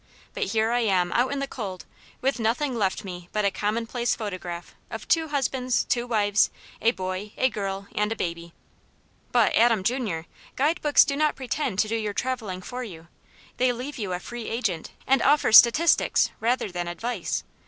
But here I am out in the cold, with nothing left me but a commonplace photograph of two husbands, two wives, a boy, a girl, and a baby !" But, Adam Jr., guide books do not pretend to do your travelling for you. They leave you a free agent, and offer statistics rather than advice.